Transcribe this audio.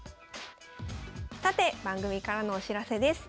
さて番組からのお知らせです。